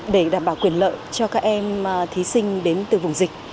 để đảm bảo quyền lợi cho các em thí sinh đến từ vùng dịch